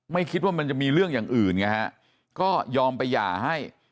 ไม่คิดว่ามันจะมีเรื่องอย่างอื่นไงฮะก็ยอมไปหย่าให้